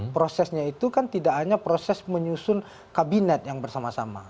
prosesnya itu kan tidak hanya proses menyusun kabinet yang bersama sama